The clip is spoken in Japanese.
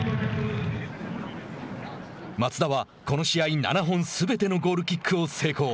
松田はこの試合７本すべてのゴールキックを成功。